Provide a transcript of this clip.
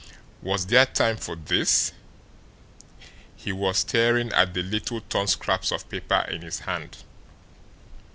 Was there time for this? He was staring at the little torn scraps of paper in his hand.